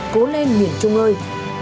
cố lên miền trung ơi